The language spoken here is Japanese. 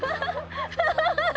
ハハハハ。